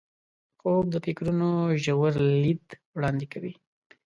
خوب د فکرونو ژور لید وړاندې کوي